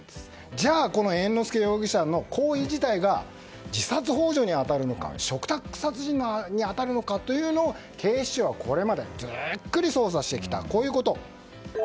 じゃあ、この猿之助容疑者の行為自体が自殺幇助に当たるのか嘱託殺人に当たるのかというのを警視庁はこれまでじっくり捜査してきたということ。